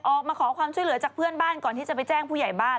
ออกมาขอความช่วยเหลือจากเพื่อนบ้านก่อนที่จะไปแจ้งผู้ใหญ่บ้าน